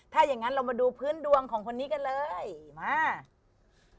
ถ้าอย่างนั้นเรามาดูพื้นดวงของคนนี้กันเลยมา